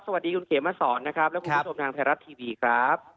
สวัสดีคุณเขมมาสอนนะครับและคุณผู้ชมทางไทยรัฐทีวีครับ